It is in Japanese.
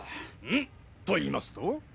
ん？と言いますと？